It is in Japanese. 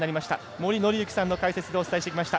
森紀之さんの解説でお伝えしてきました。